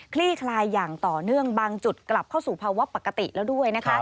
ลี่คลายอย่างต่อเนื่องบางจุดกลับเข้าสู่ภาวะปกติแล้วด้วยนะคะ